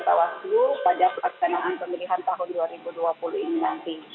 bawaslu pada pelaksanaan pemilihan tahun dua ribu dua puluh ini nanti